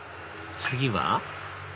次は？